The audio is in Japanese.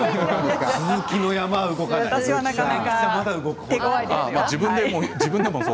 鈴木の山は動かない。